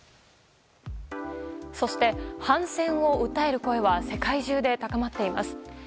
そして、反戦を訴える声は世界中で高まっています。